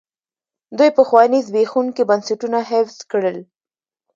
دوی پخواني زبېښونکي بنسټونه حفظ کړل.